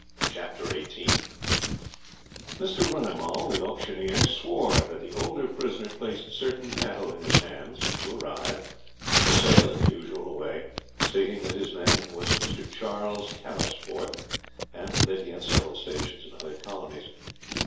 Chapter 18 Mr. Runnimall, the auctioneer, swore that the older prisoner placed certain cattle in his hands, to arrive, for sale in the usual way, stating that his name was Mr. Charles Carisforth, and that he had several stations in other colonies.